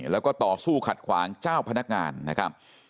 แล้วก็ต่อสู้ขัดขวางเจ้าพนักงานนะครับ